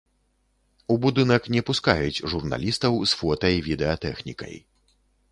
У будынак не пускаюць журналістаў з фота і відэатэхнікай.